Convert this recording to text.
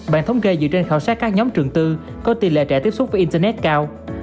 bản thống kê dựa trên khảo sát các nhóm trường tư có tỷ lệ trẻ tiếp xúc với internet cao